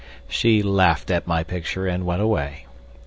She laughed at my picture and went away.